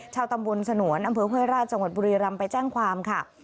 ชาวตำบลสนวนอำเภอห้วยราชจังหวัดบุรีรำไปแจ้งความค่ะ